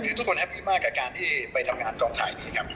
คือทุกคนแฮปปี้มากกับการที่ไปทำงานกองถ่ายนี้ครับ